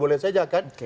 boleh boleh saja kan